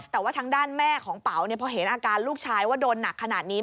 แต่ว่าทางด้านแม่ของเป๋าพอเห็นอาการลูกชายว่าโดนหนักขนาดนี้